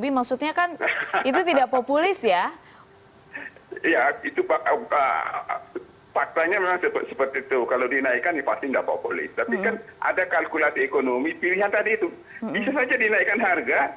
bisa saja dinaikkan harga